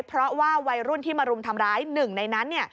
เพราะว่าวัยรุ่นที่มารุมทำร้ายหนึ่งในนั้น